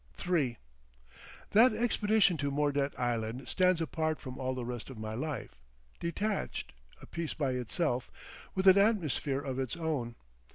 III That expedition to Mordet Island stands apart from all the rest of my life, detached, a piece by itself with an atmosphere of its own.